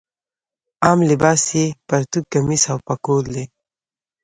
عام لباس یې پرتوګ کمیس او پکول دی.